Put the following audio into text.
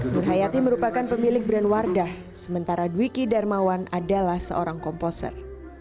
nur hayati merupakan pemilik brand wardah sementara dwiki darmawan adalah seorang komposer